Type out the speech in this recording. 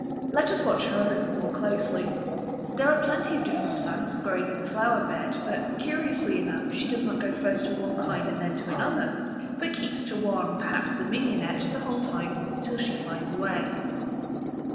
Let us watch her a little more closely. There are plenty of different plants growing in the flower bed, but, curiously enough, she does not go first to one kind and then to another; but keeps to one, perhaps the mignonette, the whole time till she flies away.